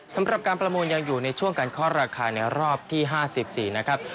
สำหรับการประมูลยังอยู่ในช่วงการเคาะราคาในรอบที่๕๔นะครับ